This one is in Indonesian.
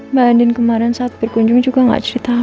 mbak andin kemarin saat berkunjung juga tidak cerita apa apa